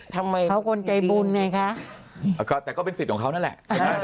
ทำไมเขาคนใจบุญไงคะแต่ก็เป็นสิทธิ์ของเขานั่นแหละ